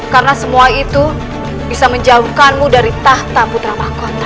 karena semua itu bisa menjauhkanmu dari tahta putra makontan